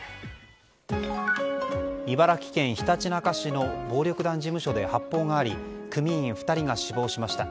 茨城県ひたちなか市の暴力団事務所で発砲があり組員２人が死亡しました。